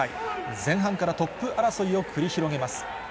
前半からトップ争いを繰り広げます。